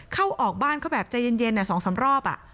เข้าออกบ้านเขาแบบใจเย็น๒๓รอบ